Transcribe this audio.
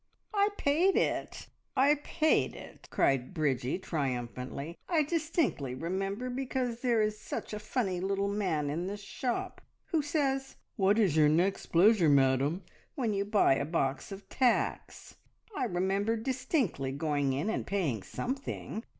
"I paid it! I paid it!" cried Bridgie triumphantly. "I distinctly remember, because there is such a funny little man in the shop who says, `What is your next pleasure, madam?' when you buy a box of tacks. I remember distinctly going in and paying something."